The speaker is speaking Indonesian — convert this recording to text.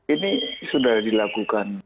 ini sudah dilakukan